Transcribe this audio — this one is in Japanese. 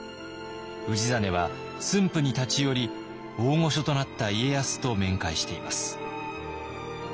氏真は駿府に立ち寄り大御所となった家康と面会しています。